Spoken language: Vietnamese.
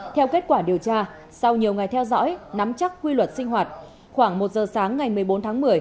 theo kết quả điều tra sau nhiều ngày theo dõi nắm chắc quy luật sinh hoạt khoảng một giờ sáng ngày một mươi bốn tháng một mươi